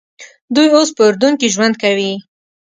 دوی اوس په اردن کې ژوند کوي.